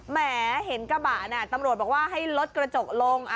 แหมเห็นกระบะน่ะตำรวจบอกว่าให้ลดกระจกลง